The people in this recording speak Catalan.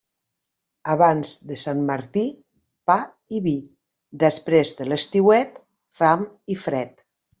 Abans de Sant Martí, pa i vi; després de l'estiuet, fam i fred.